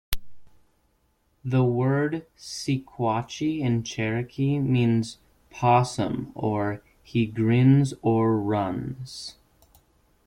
The word "sequachee" in Cherokee means, "opossum" or "he grins or runs.